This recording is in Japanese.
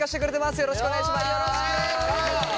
よろしくお願いします。